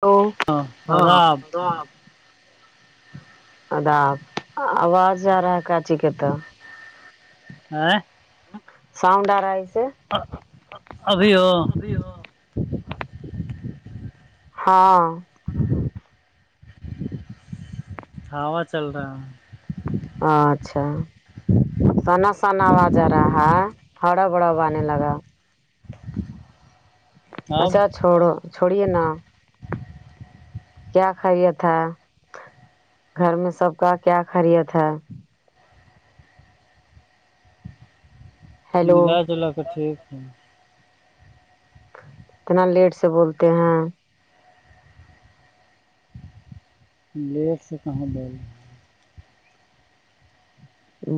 hello ہاں آداب [unintelligible] آپ اداب آواز آ رہا ہے کاچی کے تو ہیں سانڈ آ رائسے ہاں ابھی ہو ہاں [inaudible] ہوا چل رہا ہے ہاں اچھا سنا سنا آوازا رہا ہے ہرا بڑا ہو آنے لگا ہے اب اچھا چھوڑو چھوڑیے نا کیا خیریت ہے گھر میں سب کا کیا خیریت ہے ہیلو ملا جلا کے ٹھیک ہے اتنا لیٹ سے بولتے ہیں لیٹ سے کہاں بول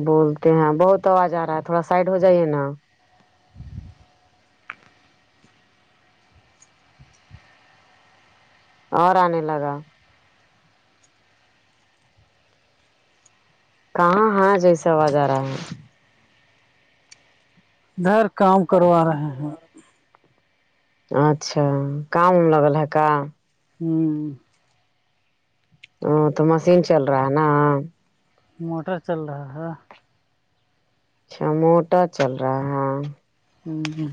بولتے ہیں بہت آواز آ رہا ہے تھوڑا سائڈ ہو جائیے نا اور آنے لگا کہاں ہاں جیسا آواز آ رہا ہے ادھر کام کروا رہے ہیں اچھا کام وم لگل ہے کا ہوں ا تو مشین چل رہا ہے نا موٹر چل رہا ہے آچھا موٹر چل رہا ہے ہوں ہوں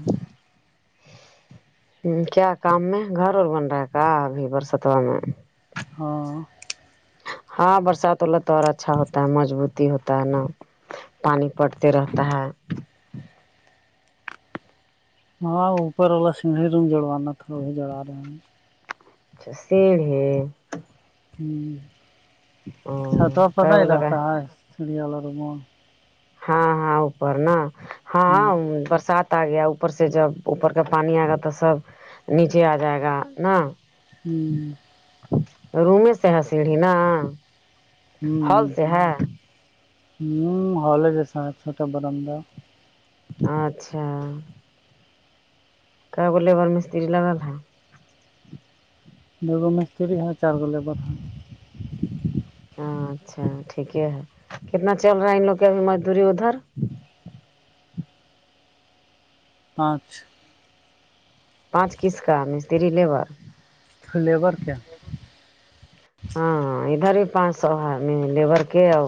ہ کیا کام میں گھر اور بن رہا ہے کا ابھی برستوا میں ہاں ہاں برسات ہو تو اور اچھا ہوتا ہے مضبوط ہوتا ہے نا پانی پڑتے رہتا ہے ہا اوپر واشنگ مشین جڑوانا تھا جڑا رہ اچھا سیڑ ہے ہوں او چھاتر پتہ کیا ہی بول کا رہتا ہے چڑیال رمن ہاں ہاں اوپر نا ہاں ہ برسات گیا اوپر سے جب اوپر کا پانی آ گا تو سب نیچے آ جائے گا نا ہوں روم میں سے ہے سیڑھی نا ہوں ہال سے ہے ہ ہالےجاسے چھوٹا برندہ اچھا کی گو لیبر مستری لگل ہے [unintelligible] دو گو مستری ہے چاربگو لیبر اچھا ٹھیک ہے کتنا چل رہا ہے ان لوگ کی ابھی مزدوری ادھر پانچ پانچ کس کا مستری لیبر فلیور کیا ہاں ادھر بھی پانچ سو ہے لیبر کے آؤ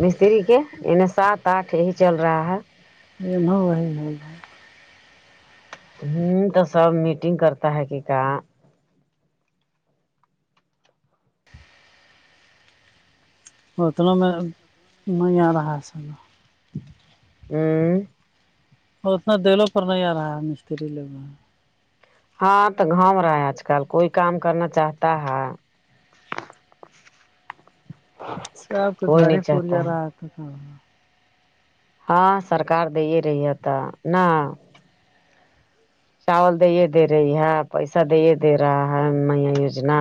مستری کے انہ سات آٹھ یہی چل رہا ہے یہ بھاؤ وہی ہو [unintelligible] ہم تو سب میٹنگ کرتا ہے کہ کا اتنا میں نہیں آرہا ہے سے توہ ہ اور اتنا دلوں پر نہیں آ رہا ہے مستری لوگ ہاں تو گھوم رہا ہے آج کل کوئی کام کرنا چاہتا ہے سب کے کوئی گھر نہیں ہی چاہتا پورجا ہے رہا تھا ہاں سرکار دے رہی ہے تو نا چاول دے دے رہی ہے پیسہ دے دے رہا ہے نیا یوجنا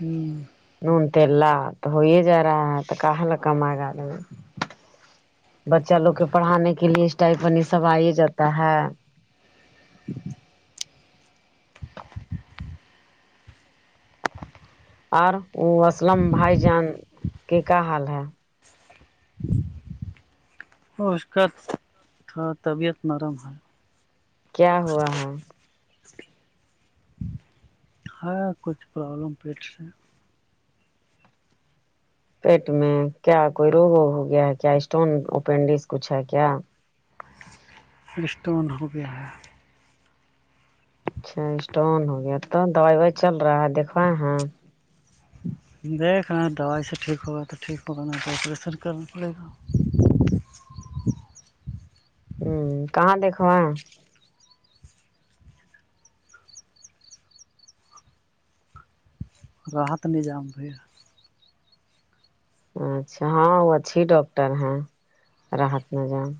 ہوں نون تیللا تو ہو ہی جا رہا ہے تو کہاں نہ کمائے گا بچہ لوگ کے پڑانے کے لیے اسٹائپن یہ سب آ جاتا ہے اور وہ اسلم بھائی جان کے کیا حال ہے اس کا تھوڑا طبیعت نرم ہے کیا ہوا ہے ہاں کچھ پرابلم پیٹ سے پیٹ میں کیا کوئی روگ ہو گیا ہے کیا اسٹون اپینڈس کچھ ہے کیا رسٹون ہو گیا ہے اچھا اسٹون ہو گیا تو دوائی وائی چل رہا ہے دیکھوا ہاں دیکھ رہ دوائی سے ٹھیک ہوگا تو ٹھیک ہوگا نہیں تو آپریشن کرنے کے لیے ہمم کہاں دکھوائے راحت نے جام دیا اچھا ہاں وہ اچھی ڈاکٹر ہیں راحت میں جان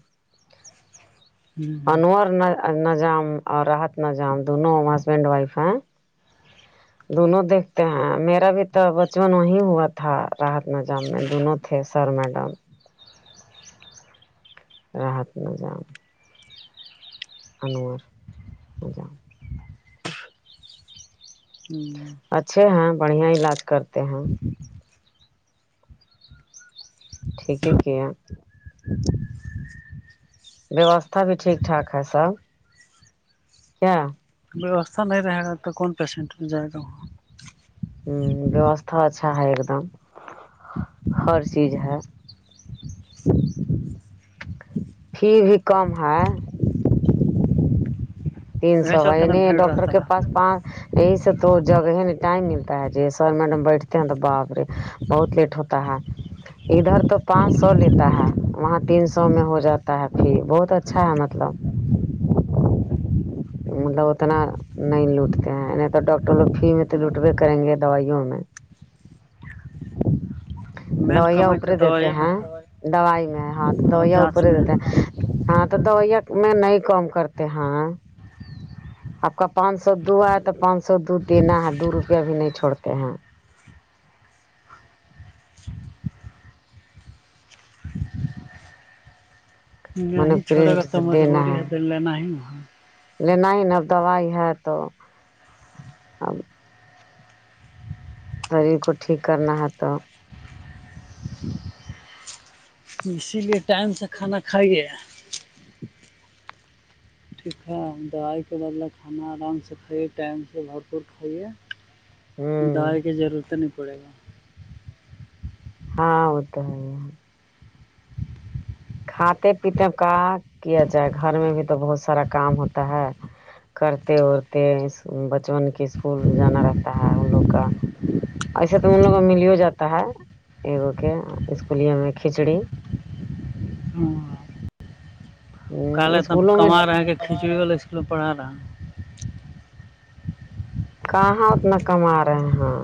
انور نہ جام اور راحت نہ جام دونوں ہسبینڈ وائف ہیں دونوں دیکھتے ہیں میرا بھی تو بچپن وہی ہوا تھا تھا راحت ناظام میں دونوں تھے سر میڈم رحت ناظام انور نظام ہمم اچھے ہیں بڑھیا علاج کرتے ہیں ٹھیک ہے کیا ویوستھا بھی ٹھیک ٹھاک ہے سب کیا ویوستھا نہیں رہے گا تو کون پیشنٹ جائے گا وہاں ہمم ویوستھا اچھا ہے ایک دم ہر چیز ہے فی بھی کم ہے تین یہی سو چلتے نا [unintelligible] بھیڑ ڈاکٹر کے رہتا پاس ہے پاں یہی سے تو جگہ ہے نہیں ٹائم ملتا ہے جی سر میڈم بیٹھتے ہیں تو باپرے بہت لیٹ ہوتا ہے ادھر تو پانچ سو لیتا ہے وہاں تین سو میں ہو جاتا ہے فی بہت اچھا ہے مطلب مطلب اتنا نہیں لوٹتے ہیں نہیں تو ڈاکٹر لوگ فری میں تو لوٹبے کریں گے دوائیوں میں مین دوائیا کمائی تو اوپرے دیتے دوائی میں ہیں ہے دوائی میں ہاں تو اور دویا جانچ اوپرے میں دیتے ہیں ہاں تو دوائیا میں نہیں کم کرتے ہے آپ کا پانچ سو دوا تو پانچ سو تو دینا ہے دو روپیہ بھی نہیں چھڑتے ہیں من نہیں چھوڑے کر پرنٹ تو سے دینا مجبوری ہے تو لینا ہی ہے لینا ہی نا اب دوائی ہے تو اب شریر کو ٹھیک کرنا ہے تو اسی لیے ٹائم سے کھانا کھائیے ٹھیک ہے دویائی کے بدلا کھانا آرام سے کھائیے ٹائم سے بھرپور کھائیے ہوں دوائی کی ضرورت نہیں پڑے گا ہاں وہ تو ہے ہی کھاتے پیتے کا کیا جائے گھر میں بھی تو بہت سارا کام ہوتا ہے کرتے ورتے بچون کے اسکول جانا رہتا ہے ہم لوگ کا ایسے تو ان لوگوں ملوں جاتا ہے اگو کے اسکولے میں کھچڑی ہ کالے تم اسکولوں میں کما رہا ہیں کہ کھچڑی والا اسکول میں پڑا رہا کہاں اتنا کما رہے ہیں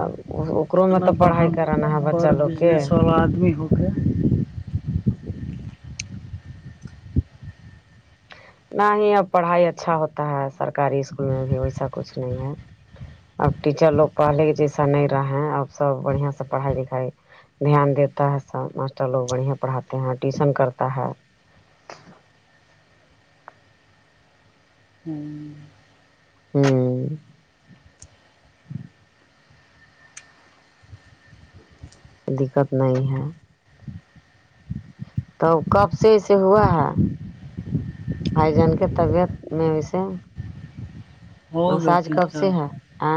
اب وہاں کورو میں اتنا تو بڑا پڑھائی کرانا ہے بڑ بچا لوگ کے بزنس والا آدمی ہو کے نہ ہی اب پڑھائی اچھا ہوتا ہے سرکاری اسکول میں بھی ویسا کچھ نہیں ہے اب ٹیچر لوگ پہلے کے جیسا نہیں رہا اب سب بڑیا سے پڑھائی لکھائی دھیان دیتا ہے سب ماسٹر لوگ بڑھیا پڑاتے ہیں ٹیوشن کرتا ہے ہمم ہمم ہمم دقت نہیں ہے توب کب سے ایسے ہوا ہے بھائی جان کے طبیعت میں ویسے ہو گیا مساج تین کب چار سے ہے ا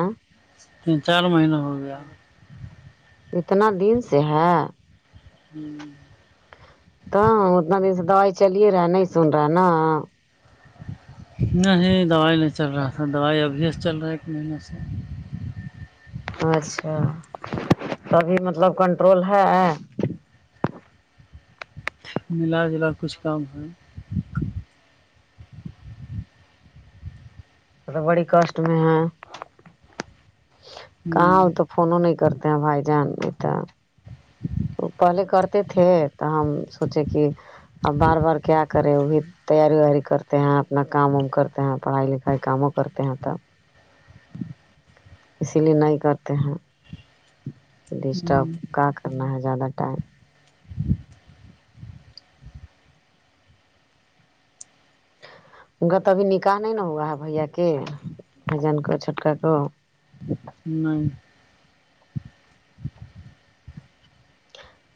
تین چار مہینہ ہو گیا اتنا دن سے ہے ہوں تو اتنا دن سے دوائی چلے رہا ہے نہیں سن رہا نا نہیں دوائی نہیں چل رہا تھا دوائی ابھی سے چل رہا ہے ایک مہینے سے اچھا تبھی مطلب کنٹرول ہے ملا جھولا کچھ کام ہے مطلب ربڑی کاسٹ میں ہے کہاں ہو ہوں تو فون نہیں کرتے ہیں بھائی جان اتا وہ پہلے کرتے تھے تو ہم سوچے کہ اب بار بار کیا کرے وہ بھی تیاری ویاری کرتے ہیں اپنا کام وم کرتے ہیں پڑھائی لکھائی کاموں کرتے ہیں تب [inaudible] اسی لیے نہیں کرتے ہے کہ ڈسٹرب ہوں کا کرنا ہے زیادہ ٹائم ان کا تو ابھی نکاح نہیں ن ہوا ہے بھیا کے بجان کو چھوٹکا کو ج [inaudible] نہیں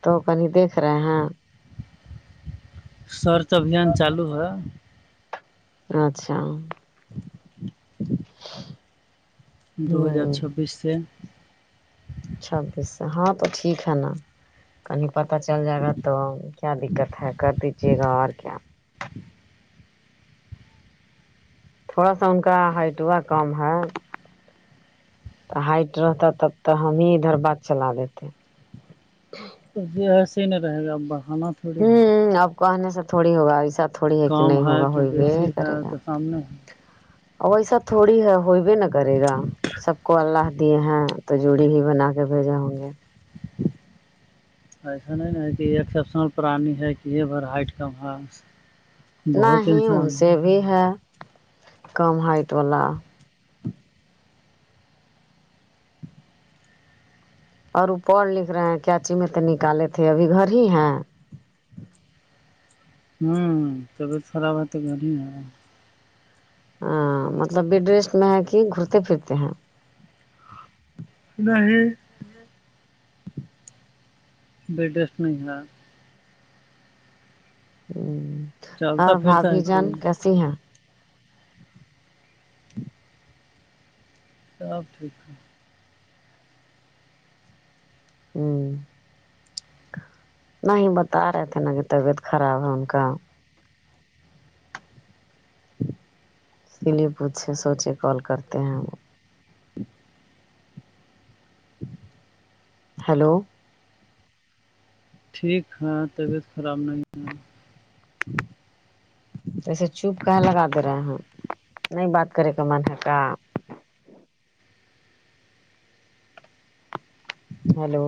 تو اپن ہی دیکھ رہے ہیں سرچ ابھیان چالو ہے اچھا دو ہزار ہوں چھبیس سے چھبیس سے ہاں تو ٹھیک ہے نا کہیں پت چل جائے گا تو کیا دقت ہے کر دیجے گاں اور کیا تھوڑا سا ان کا ہائٹ وا کم ہے ہائٹ رہتا تب تو ہم ہی ادھر بات چلا دیتے تو یہ ایسے ہی نہیں رہے گا اب بڑھانا تو ہوں اب کہنے سے تھوڑی ہوگا ا سب تھوڑی ہے کہ کام نہیں ہوگا کہ ہوئی و بیسی ہے کرے گا تو سامنے ہے ویسا تھوڑی ہے ہوئی بھی نہ کرے گا سب کو اللہ دیے ہیں تو جوڑی ہی بنا کے بھیجے ہوں گے ایسا نہیں ن کہ ایکسپشنل پرانی ہے کہ یہ بھر ہٹ کم ہے نہیں بہت ہی ان انسان سے بھی ہے کم ہائٹ والا اور وہ پڑھ لکھ رہے ہیں کیاچی میں تو نکالے تھے ابھی گھر ہی ہے ہوں طبیعت خراب ہے تو گھر ہی ہوں ہ مطلب بدیش میں ہے کہ گھومتے پھرتے ہیں نہیں بیڈ رسٹ نہیں ہے ہ چلتا اور پھرتا بھاابھی ہے کہ جان کیسی ہیں سب ٹھیک ہوں نہیں بتا رہے تھے نا کہ طبیعت خراب ہے ان کا اسی لیے پوچھے سوچے کال کرتے ہیں وہ ہیلو ٹھیک ہے طبیعت خراب نہیں ہے توسے چوپ کہاں لگا دے رہے ہیں نہیں بات کرے کا من ہے کا ہیلو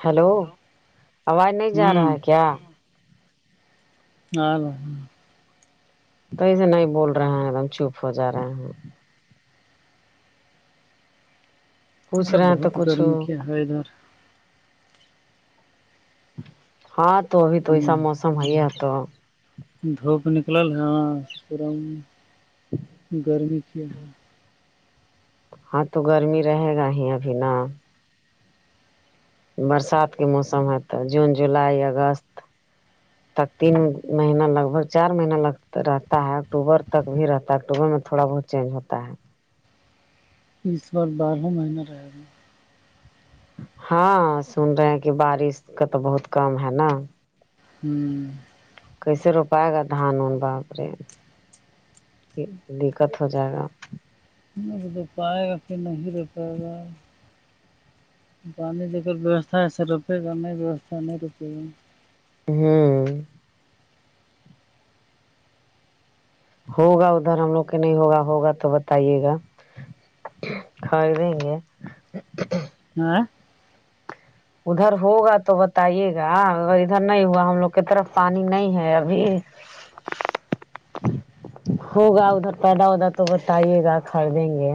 ہیلو آواز نہیں جا رہا ہوں ہے کیا ہاں تو ای سے نہیں بول رہے ہیں اب ہم چپ ہو جا رہے ہیں پوچھ ارے رہے ہیں تو بہت کچھ گرمی کیا ہے ادھر ہاں تو ابھی تو ایسا ہوں موسم ہے ہے تو دھوپ نکلل ہے پھر ہم گرمی کیا ہاں تو گرمی رہے گا ہی ابھی نا برسات کے موسم ہے تو جون جولائی اگست تک تین مہین لگ بھگ چار مہیننا لگ رہتا ہے اکتوبر تک بھی رہتا ہے اکٹوبر میں تھوڑا بہت چینج ہوتا ہے اس بار بارہ مہینہ رہے گا ہاں سن رہے ہیں کہ بارش کا تو بہت کم ہے نا ہوں کیسے روپائے گا دھان ان باپرے دقت ہو جائے گا نہیں تو پائے گا کہ نہیں رہ پائے گا پانی جگر ووستھا ہےس روپے گا نہیں ووستھا نہیں روپے گا ہاں ہوگا ادھر ہم لوگ کے نہیں ہوگا ہوگا تو بتائیے گا ڈھائی ونگ ہے ہاں ادھر ہوگا تو بتائیے گا ا ادھر نہیں ہوا ہم لوگ کی طرف پانی نہیں ہے ابھی ہوگا ادھر فائدہ ودا تو بتائیے گا خریدیں گے